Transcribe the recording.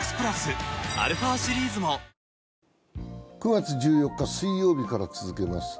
９月１４日水曜日から続けます